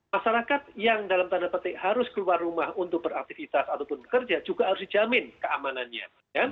masyarakat yang dalam tanda petik harus keluar rumah untuk beraktivitas ataupun bekerja juga harus dijamin keamanannya